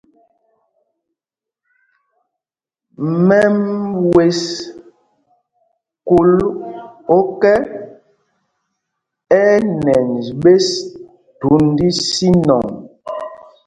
Mɛm wes kūl ɔ́kɛ, ɛ́ ɛ́ nɛnj ɓes thūnd ísínɔŋ.